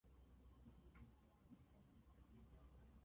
agasanduku nini k'umuhondo